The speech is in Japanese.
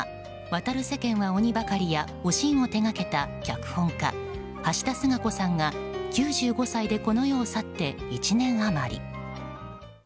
「渡る世間は鬼ばかり」や「おしん」を手掛けた脚本家橋田壽賀子さんが９５歳でこの世を去って１年余り。